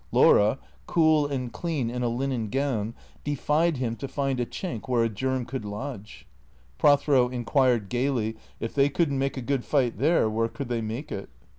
Laura, cool and clean in a linen gown, defied him to find a chink where a germ could lodge. Prothero inquired gaily, if they could n't make a good fight there, where could they make it?